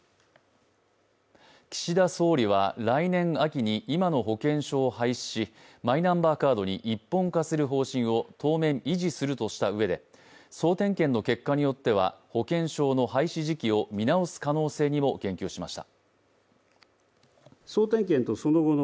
岸田総理は来年秋に今の保険証を廃止し、マイナンバーカードに一本化する方針を当面維持するとしたうえで総点検の結果によっては保険証の廃止時期を見直す可能性にも言及しました。